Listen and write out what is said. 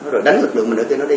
rồi đánh lực lượng mình ở kia nó đi